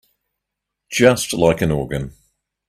Just like an organ.